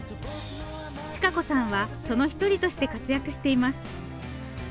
千賀子さんはその一人として活躍しています。